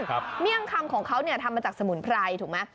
ครับเมี่ยงคำของเขาทำมาจากสมุนไพรถูกไหม